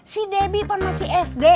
si debbie pun masih sd